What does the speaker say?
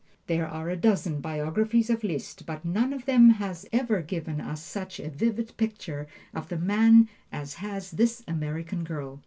There are a dozen biographies of Liszt, but none of them has ever given us such a vivid picture of the man as has this American girl.